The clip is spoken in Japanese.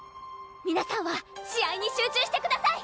皆さんは試合に集中してください